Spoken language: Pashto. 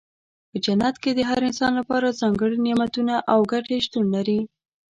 په جنت کې د هر انسان لپاره ځانګړي نعمتونه او ګټې شتون لري.